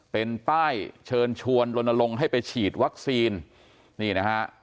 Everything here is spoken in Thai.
เป็นป้ายเชิญชวนลนลงให้ไปฉีดวัคซีนนี่นะฮะ